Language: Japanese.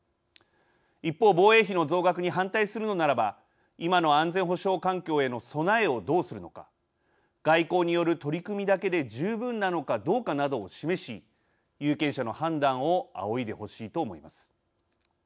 一方、防衛費の増額に反対するのならば今の安全保障環境への備えをどうするのか外交による取り組みだけで十分なのかどうかなどを示し有権者の判断を仰いでほしいと思います。